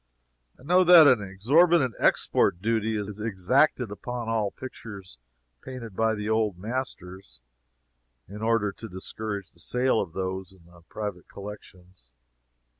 I know that an exorbitant export duty is exacted upon all pictures painted by the old masters, in order to discourage the sale of those in the private collections.